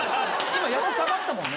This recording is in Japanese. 今やっと下がったもんね。